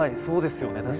そうですよね